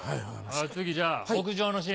次じゃあ屋上のシーン。